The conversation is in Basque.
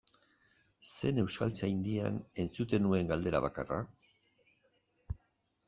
Zen Euskaltzaindian entzuten nuen galdera bakarra?